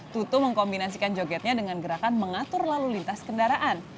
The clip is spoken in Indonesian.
tutu mengkombinasikan jogetnya dengan gerakan mengatur lalu lintas kendaraan